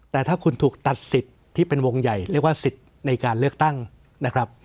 แต่ถ้าคุณถูกตัดสิทธิ์ที่เป็นวงใหญ่เรียกว่าสิทธิ์ในการเลือกตั้งนะครับ